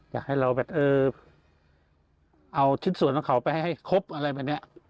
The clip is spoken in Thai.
อยากให้เราแบบเออเอาชิ้นส่วนของเขาไปให้ครบอะไรแบบนี้